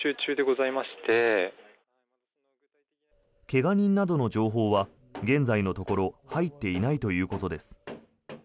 怪我人などの情報は現在のところ入っていないということです。